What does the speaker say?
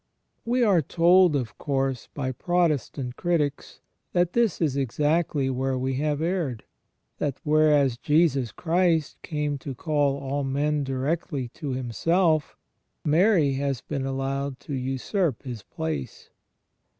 We are told, of course, by Protestant critics, that this is exactly where we have erred — that whereas Jesus Christ came to call all men directly to Himself, Mary has been allowed to usurp His place.